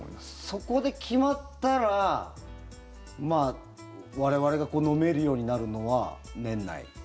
そこで決まったら我々が飲めるようになるのは年内？